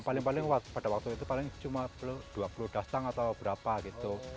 paling paling pada waktu itu paling cuma dua puluh datang atau berapa gitu